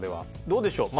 どうでしょう？